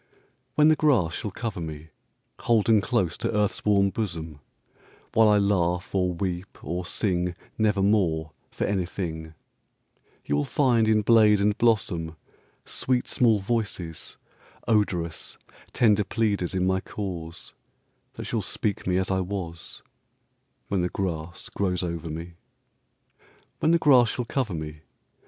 When the grass shall cover me, Holden close to earth's warm bosom,—While I laugh, or weep, or singNevermore, for anything, You will find in blade and blossom, Sweet small voices, odorous, Tender pleaders in my cause, That shall speak me as I was—When the grass grows over me. When the grass shall cover me!